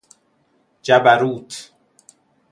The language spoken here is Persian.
جبروت